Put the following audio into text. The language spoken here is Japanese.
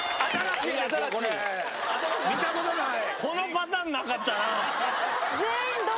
見たことない！